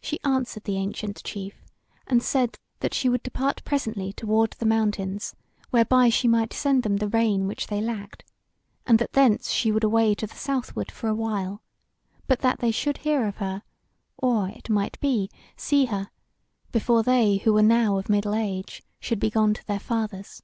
She answered the ancient chief, and said, that she would depart presently toward the mountains, whereby she might send them the rain which they lacked, and that thence she would away to the southward for a while; but that they should hear of her, or, it might be, see her, before they who were now of middle age should be gone to their fathers.